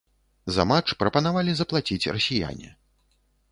За матч прапанавалі заплаціць расіяне.